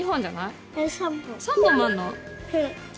３本もあるの？